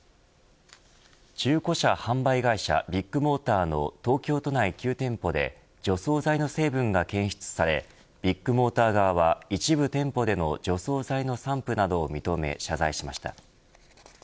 中古車販売会社ビッグモーターの東京都内９店舗で除草剤の成分が検出されビッグモーター側は一部店舗での除草剤の散布などを認め謝罪しました。